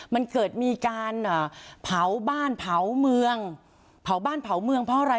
มันเกิดมีการเผาบ้านเผาเมืองเผาบ้านเผาเมืองเพราะอะไร